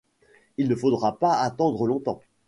Il ne faudra pas attendre longtemps.